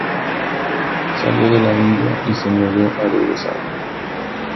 Salió de la India y se negó a regresar.